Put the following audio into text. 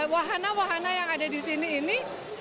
wahana wahana yang ada di sini ini